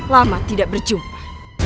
lama tidak berjumpa